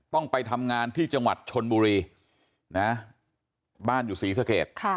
ต้องไปทำงานที่จังหวัดชนบุรีนะบ้านอยู่ศรีสเกต